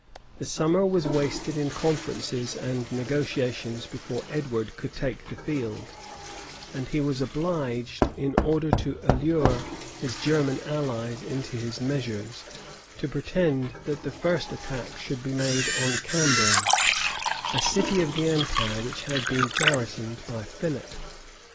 The summer was wasted in conferences and negotiations before Edward could take the field; and he was obliged, in order to allure his German allies into his measures, to pretend that the first attack should be made upon Cambray, a city of the empire which had been garrisoned by Philip.